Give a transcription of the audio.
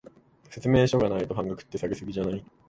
説明書がないと半額って、下げ過ぎじゃない？